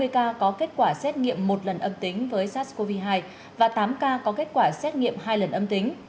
hai mươi ca có kết quả xét nghiệm một lần âm tính với sars cov hai và tám ca có kết quả xét nghiệm hai lần âm tính